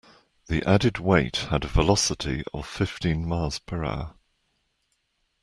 The added weight had a velocity of fifteen miles per hour.